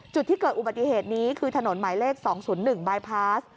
จุดที่เกิดอุบัติเหตุนี้คือถนนหมายเลข๒๐๑บายพาส